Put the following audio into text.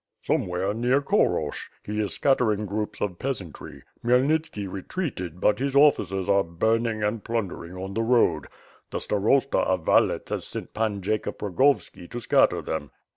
"Somewhere near Khorosch. He is scattering groups of peasantry. Khymelnitski retreated, but his officers are burn ing and plundering on the road. The Starosta of Valets has sent Pan Jacob Rogovski to scatter them."